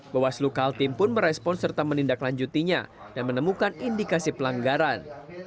bawaslu kaltim pun merespon serta menindaklanjutinya dan menemukan indikasi pelanggaran